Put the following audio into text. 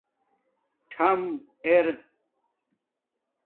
ٹھم اِر